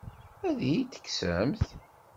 Ad iyi-t-tekksemt?